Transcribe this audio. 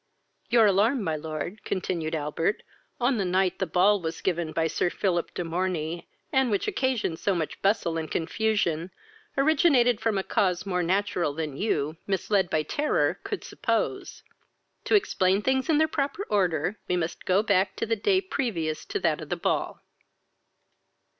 "Your alarm, my lord, (continued Albert,) on the night the ball was given by Sir Philip de Morney, and which occasioned so much bustle and confusion, originated from a cause more natural than you, misled by terror, could suppose. To explain things in their proper order, we must go back to the day previous to that of the ball.